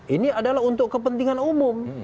ini adalah untuk kepentingan umum